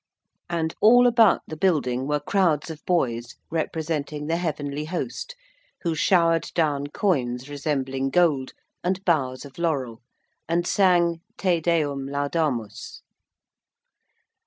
And all about the building were crowds of boys, representing the Heavenly Host, who showered down coins resembling gold, and boughs of laurel, and sang 'Te Deum Laudamus.'